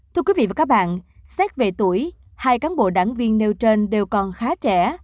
thưa quý vị và các bạn xét về tuổi hai cán bộ đảng viên nêu trên đều còn khá trẻ